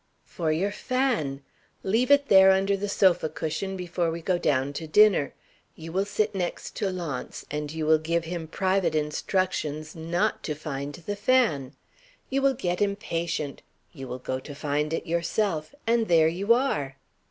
"For your fan. Leave it there under the sofa cushion before we go down to dinner. You will sit next to Launce, and you will give him private instructions not to find the fan. You will get impatient you will go to find it yourself and there you are.